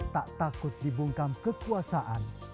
tak takut dibungkam kekuasaan